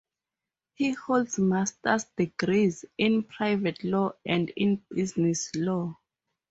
He holds master’s degrees in Private Law and in Business Law.